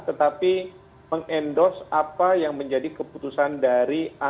tetapi mengendos apa yang menjadi keputusan dari